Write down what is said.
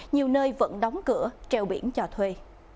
nhiều nơi vẫn đóng cửa treo biển cho thuê